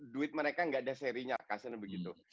duit mereka nggak ada serinya kasihan begitu